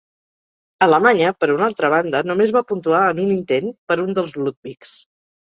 Alemanya, per una altra banda, només va puntuar en un intent, per un dels Ludwigs.